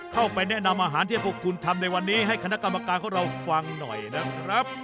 เข้าไปแนะนำอาหารที่พวกคุณทำในวันนี้ให้คณะกรรมการของเราฟังหน่อยนะครับ